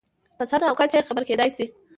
په سطحه او کچه یې خبرې کېدای شي.